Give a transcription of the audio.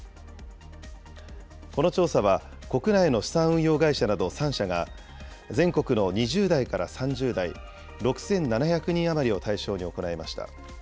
この調査は、国内の資産運用会社など３社が、全国の２０代から３０代、６７００人余りを対象に行いました。